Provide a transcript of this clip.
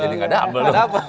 jadi gak dapet dong